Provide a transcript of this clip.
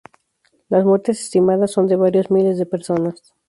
Las muertes estimadas son de varios miles de personas.